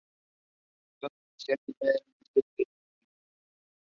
Chauhan studied law at the Allahabad University.